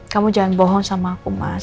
kamu jangan bohong sama aku mas